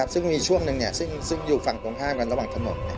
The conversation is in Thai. ซึ่งมีช่วงหนึ่งซึ่งอยู่ฝั่งตรงข้ามกันระหว่างถนน